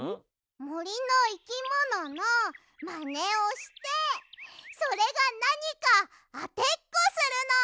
もりのいきもののマネをしてそれがなにかあてっこするの！